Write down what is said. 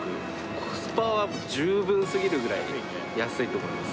コスパは十分すぎるぐらい安いと思います。